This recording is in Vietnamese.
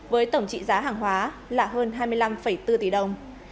với tổng trị giá hàng hóa là hơn hai mươi năm bốn tỷ đồng